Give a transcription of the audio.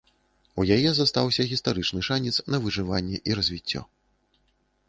У яе застаўся гістарычны шанец на выжыванне і развіццё.